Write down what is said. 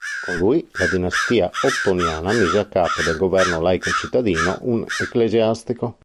Con lui, la dinastia ottoniana mise a capo del governo laico cittadino un ecclesiastico.